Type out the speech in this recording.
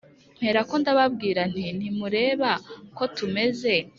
Mperako ndababwira nti Ntimureba ko tumeze